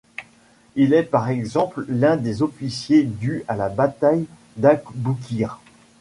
Il est par exemple l'un des officiers du à la bataille d'Aboukir.